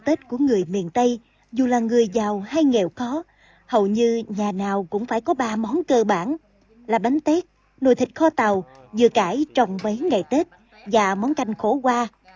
tết của người miền tây dù là người giàu hay nghèo khó hầu như nhà nào cũng phải có ba món cơ bản là bánh tét nồi thịt kho tàu dừa cải trồng mấy ngày tết và món canh khổ hoa